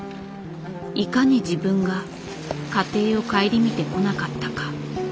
いかに自分が家庭を顧みてこなかったか。